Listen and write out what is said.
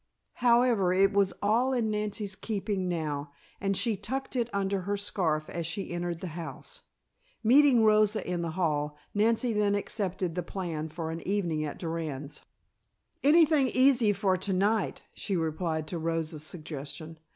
However, it was all in Nancy's keeping now, and she tucked it under her scarf as she entered the house. Meeting Rosa in the hall, Nancy then accepted the plan for an evening at Durand's. "Anything easy for to night," she replied to Rosa's suggestion.